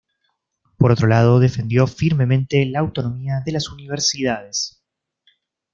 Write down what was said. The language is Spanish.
Por otro lado, defendió firmemente la autonomía de las universidades.